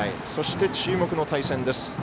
そして注目の対戦です。